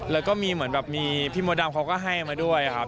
แล้วก็มีเหมือนแบบมีพี่มดดำเขาก็ให้มาด้วยครับ